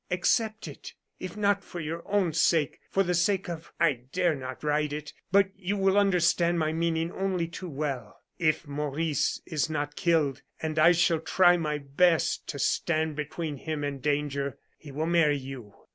Accept it, if not for your own sake, for the sake of I dare not write it; but you will understand my meaning only too well. "If Maurice is not killed, and I shall try my best to stand between him and danger, he will marry you.